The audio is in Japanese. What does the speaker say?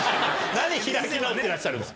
何開き直ってらっしゃるんですか。